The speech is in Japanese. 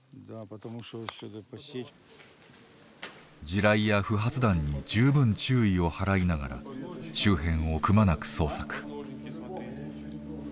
地雷や不発弾に十分注意を払いながら周辺をくまなく捜索。